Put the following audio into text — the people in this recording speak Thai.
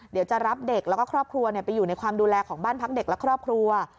เดี๋ยวจะรับเด็กแล้วก็ครอบครัวไปอยู่ในความดูแลของบ้านพักเด็กและครอบครัว